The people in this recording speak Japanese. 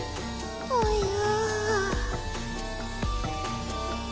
・ぽよ。